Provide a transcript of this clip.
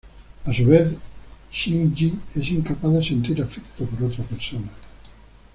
A su vez, Shinji es incapaz de sentir afecto por otra persona.